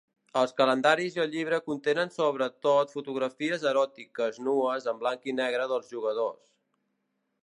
Els calendaris i el llibre contenen sobre tot fotografies eròtiques nues en blanc i negre dels jugadors.